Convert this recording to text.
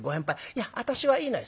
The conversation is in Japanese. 『いや私はいいのよ』。